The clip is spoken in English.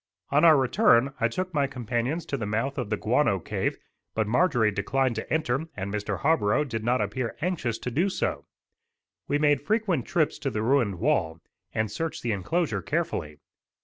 On our return I took my companions to the mouth of the guano cave, but Marjorie declined to enter and Mr. Harborough did not appear anxious to do so. We made frequent trips to the ruined wall, and searched the enclosure carefully.